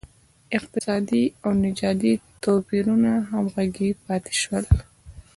اقتصادي او نژادي توپیرونه همغږي پاتې شول.